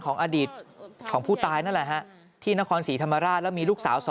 ของอดีตของผู้ตายนั่นแหละฮะที่นครศรีธรรมราชแล้วมีลูกสาว๒